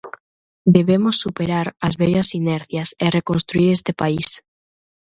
Debemos superar as vellas inercias e reconstruír este país.